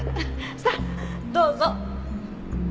さあどうぞ。